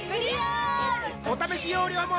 お試し容量も